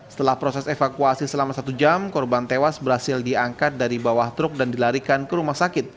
setelah proses evakuasi selama satu jam korban tewas berhasil diangkat dari bawah truk dan dilarikan ke rumah sakit